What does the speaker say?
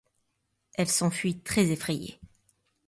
Elle s'enfuit très effrayée.